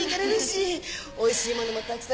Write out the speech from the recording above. おいしいものもたくさん頂けて。